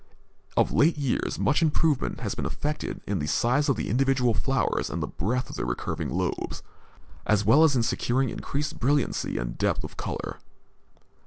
Of late years much improvement has been effected in the size of the individual flowers and the breadth of their recurving lobes, as well as in securing increased brilliancy and depth of color.